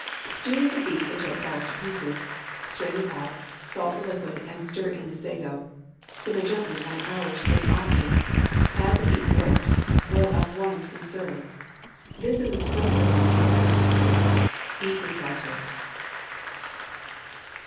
Stew the beef until it falls to pieces; strain it out, salt the liquid and stir in the sago. Simmer gently one hour, stirring often. Add the beaten yolks: boil up once and serve. This is a strengthening and nice soup. Eat with dry toast.